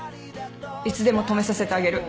いつでも泊めさせてあげる。